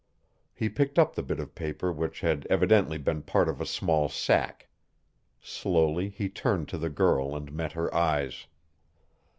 He picked up the bit of paper which had evidently been part of a small sack. Slowly he turned to the girl and met her eyes.